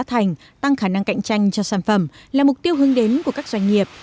giá thành tăng khả năng cạnh tranh cho sản phẩm là mục tiêu hướng đến của các doanh nghiệp